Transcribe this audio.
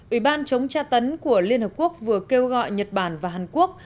ủy ban chống tra tấn của liên hợp quốc vừa kêu gọi nhật bản và hàn quốc